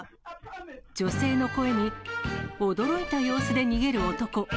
女性の声に驚いた様子で逃げる男。